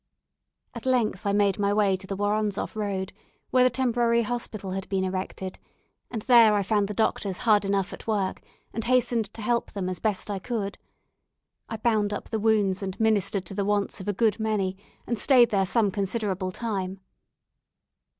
At length I made my way to the Woronzoff Road, where the temporary hospital had been erected, and there I found the doctors hard enough at work, and hastened to help them as best I could. I bound up the wounds and ministered to the wants of a good many, and stayed there some considerable time.